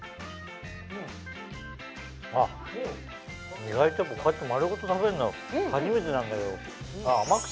あっ意外とこうやって丸ごと食べるの初めてなんだけど。